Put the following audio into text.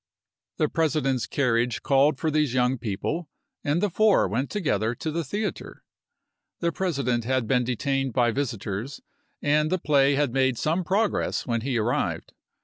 The President's carriage called for these young people, and the four went together to the theater. The President had been detained by visitors, and the play had made some progress when he arrived.